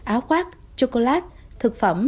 áo khoác chocolate thực phẩm